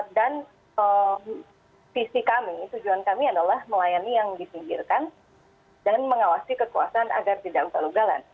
dan visi kami tujuan kami adalah melayani yang disinggirkan dan mengawasi kekuasaan agar tidak terlalu galan